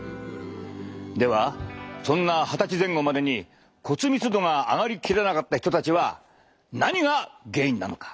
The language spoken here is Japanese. ではそんな二十歳前後までに骨密度が上がり切らなかった人たちは何が原因なのか？